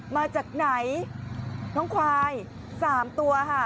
มาจากไหนน้องควาย๓ตัวค่ะ